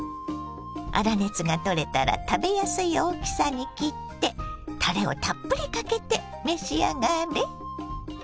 粗熱が取れたら食べやすい大きさに切ってたれをたっぷりかけて召し上がれ。